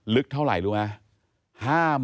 ลึกเท่าไหร่รู้ไหม